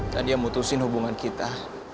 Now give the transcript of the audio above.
dan dia mutusin hubungan kita